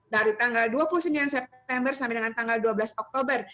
dari tanggal dua puluh sembilan september sampai dengan tanggal dua belas oktober